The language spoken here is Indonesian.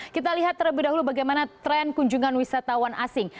kita lihat terlebih dahulu bagaimana tren kunjungan wisatawan asing